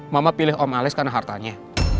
mama pilih om alex karena hartanya